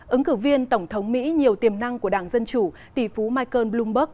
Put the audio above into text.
ứng cử viên tổng thống mỹ nhiều tiềm năng của đảng dân chủ tỷ phú michael bloomberg